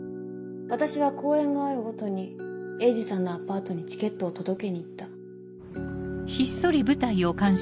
私は公演があるごとに鋭治さんのアパートにチケットを届けに行った。